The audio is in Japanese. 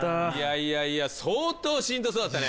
いやいや相当しんどそうだったね